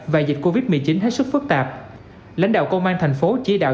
và dịch covid một mươi chín hết sức phức tạp lãnh đạo công an tp hcm chỉ đạo